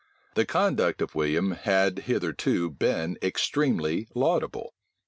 The conduct of William had hitherto been extremely laudable.